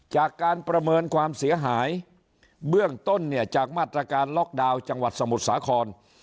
จากการประเมินความเสียหายเบื้องต้นเนี่ยจากมาตรการล็อกดาวน์จังหวัดสมุทรสาคร